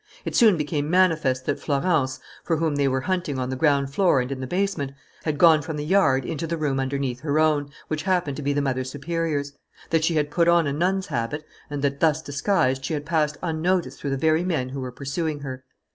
It soon became manifest that Florence, for whom they were hunting on the ground floor and in the basement, had gone from the yard into the room underneath her own, which happened to be the mother superior's; that she had put on a nun's habit; and that, thus disguised, she had passed unnoticed through the very men who were pursuing her.